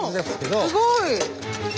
すごい！